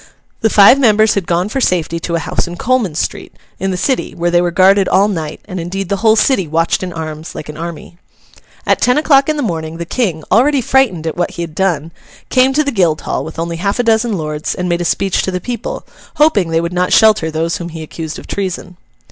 The five members had gone for safety to a house in Coleman street, in the City, where they were guarded all night; and indeed the whole city watched in arms like an army. At ten o'clock in the morning, the King, already frightened at what he had done, came to the Guildhall, with only half a dozen lords, and made a speech to the people, hoping they would not shelter those whom he accused of treason.